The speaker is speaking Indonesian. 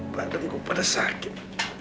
badan gua pada sakit